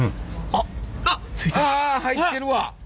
ああ入ってるわ！